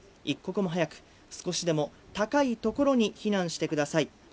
一刻も早く、少しでも高いところに避難してください。